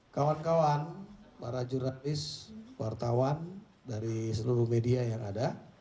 kawan kawan para jurnalis wartawan dari seluruh media yang ada